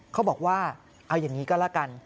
เขาบอกว่าเอาอย่างนี้ก็แล้วกัน